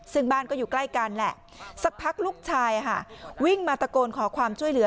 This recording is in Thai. ซึ่งบ้านก็อยู่ใกล้กันแหละสักพักลูกชายวิ่งมาตะโกนขอความช่วยเหลือ